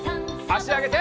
あしあげて。